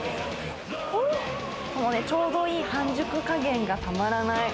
おー、ちょうどいい半熟加減がたまらない。